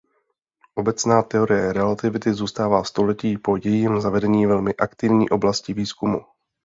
Obecná teorie relativity zůstává století po jejím zavedení velmi aktivní oblastí výzkumu.